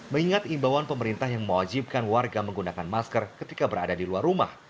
mengingat imbauan pemerintah yang mewajibkan warga menggunakan masker ketika berada di luar rumah